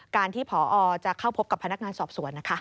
การที่พอจะเข้าพบกับพนักงานสอบสวนนะคะ